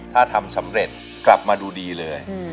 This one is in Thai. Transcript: ถ้าทำสำเร็จกลับมาดูดีเลย